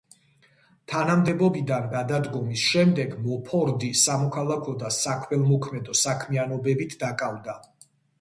თანამდებობიდან გადადგომის შემდეგ მოფორდი სამოქალაქო და საქველმოქმედო საქმიანობებით დაკავდა.